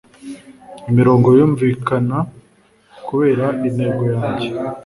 Imirongo yumvikana kubera intego yanjye